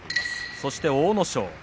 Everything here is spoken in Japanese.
そして阿武咲。